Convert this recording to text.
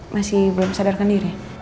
masih belum sadarkan diri